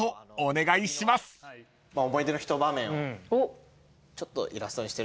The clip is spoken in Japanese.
思い出の一場面をちょっとイラストにしてるんですけど。